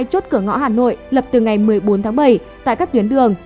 hai mươi chốt cửa ngõ hà nội lập từ ngày một mươi bốn tháng bảy tại các tuyến đường